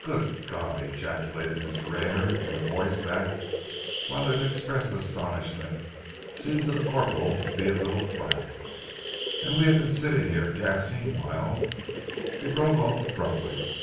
"Good God!" ejaculated Mr. Rayner, in a voice that, whilst it expressed astonishment, seemed to the corporal to be a little flat. "And we have been sitting here, gassing, whilst " He broke off abruptly.